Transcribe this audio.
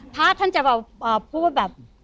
พระอาทิตย์ท่านจะพูดแบบ